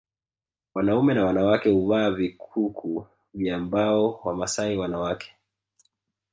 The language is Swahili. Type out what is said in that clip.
Wanaume na wanawake huvaa vikuku vya mbao Wamasai wanawake